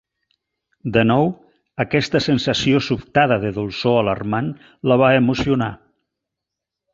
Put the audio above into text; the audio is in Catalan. De nou, aquesta sensació sobtada de dolçor alarmant la va emocionar.